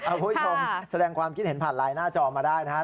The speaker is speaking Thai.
คุณผู้ชมแสดงความคิดเห็นผ่านไลน์หน้าจอมาได้นะครับ